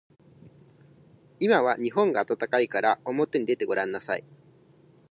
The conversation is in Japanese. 今は日本が暖かいからおもてに出てごらんなさい。